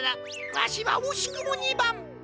わしはおしくも２ばん。